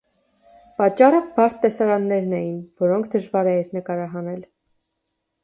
Պատճառը բարդ տեսարաններն էին, որոնք դժվար էր նկարահանել։